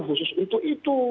khusus untuk itu